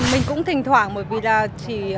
mình cũng thỉnh thoảng bởi vì là chị